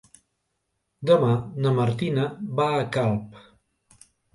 Demà na Martina va a Calp.